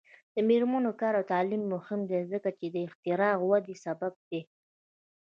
د میرمنو کار او تعلیم مهم دی ځکه چې اختراع ودې سبب دی.